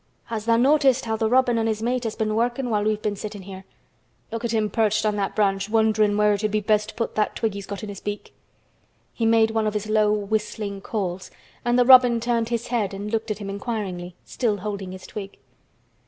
Has tha' noticed how th' robin an' his mate has been workin' while we've been sittin' here? Look at him perched on that branch wonderin' where it'd be best to put that twig he's got in his beak." He made one of his low whistling calls and the robin turned his head and looked at him inquiringly, still holding his twig.